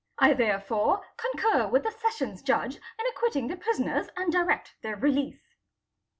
I therefore concur with the Sessions Judge in acquitting the prisoners anc direct their release."